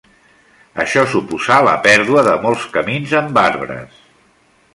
Això suposà la pèrdua de molts camins amb arbres.